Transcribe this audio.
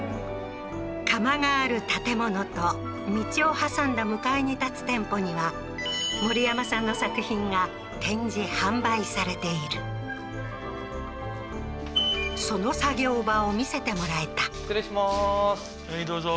窯がある建物と道を挟んだ向かいに建つ店舗には森山さんの作品が展示・販売されているその作業場を見せてもらえた失礼しまーす